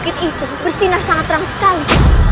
his kthis memungkinkan ketemu pukit ini